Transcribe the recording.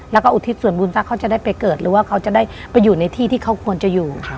แล้วก็อุทิศส่วนบุญถ้าเขาจะได้ไปเกิดหรือว่าเขาจะได้ไปอยู่ในที่ที่เขาควรจะอยู่